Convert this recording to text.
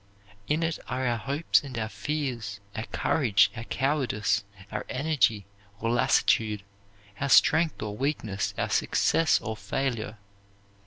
In it are our hopes and our fears, our courage, our cowardice, our energy or lassitude, our strength or weakness, our success or failure.